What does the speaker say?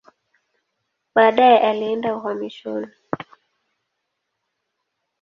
Baadaye alienda uhamishoni.